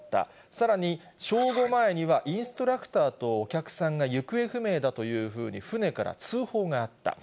さらに、正午前にはインストラクターとお客さんが行方不明だというふうに船から通報があった。